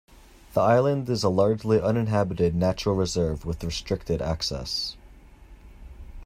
The island is a largely uninhabited natural reserve with restricted access.